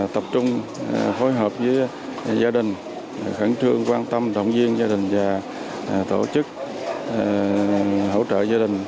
tập trung hối hợp với gia đình khẩn trương quan tâm động viên gia đình và tổ chức hỗ trợ gia đình